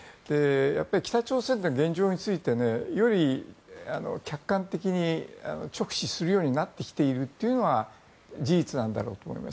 北朝鮮の現状についてより客観的に直視するようになってきているというのは事実なんだろうと思います。